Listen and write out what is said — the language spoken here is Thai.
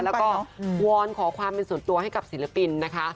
แล้วก็วอนขอความเป็นส่วนตัวให้กับศิลปินนะคะ